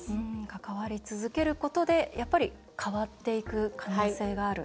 関わり続けることで変わっていく可能性がある。